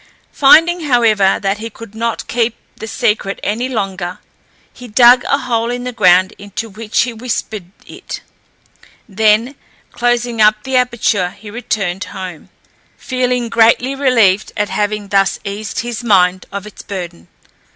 Finding, however, that he could not keep the secret any longer, he dug a hole in the ground into which he whispered it; then closing up the aperture he returned home, feeling greatly relieved at having thus eased his mind of its burden.